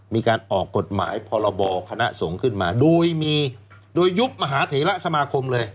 มีการออกกฎหมายพรบคณะสงฆ์ขึ้นมาโดยมีโดยยุบมหาเถระสมาคมเลย